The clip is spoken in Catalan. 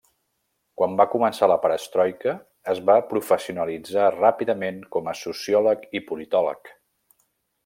Quan va començar la perestroika, es va professionalitzar ràpidament com a sociòleg i politòleg.